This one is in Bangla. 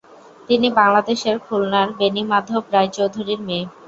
তিনি বাংলাদেশের খুলনার বেণীমাধব রায়চৌধুরীর মেয়ে।